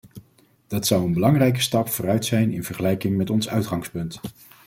Dat zou een belangrijke stap vooruit zijn in vergelijking met ons uitgangspunt.